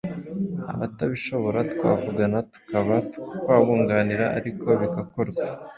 abatabishobora twavugana tukaba twabunganira ariko bigakorwa”.